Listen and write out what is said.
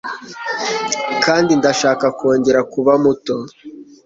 kandi ndashaka kongera kuba muto